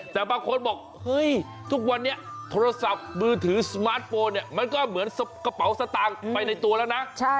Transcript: แต่บางคนบอกเฮ้ยทุกวันนี้โทรศัพท์มือถือสมาร์ทโฟนเนี่ยมันก็เหมือนกระเป๋าสตางค์ไปในตัวแล้วนะ